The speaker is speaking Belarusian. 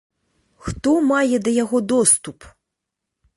Хто мае да яго доступ?